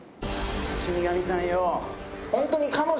死神さんよ。